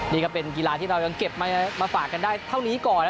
นี่ก็เป็นกีฬาที่เรายังเก็บมาฝากกันได้เท่านี้ก่อน